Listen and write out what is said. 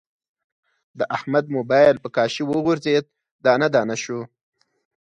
د احمد مبایل په کاشي و غورځید، دانه دانه شو.